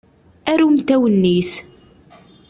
Arumt awennit.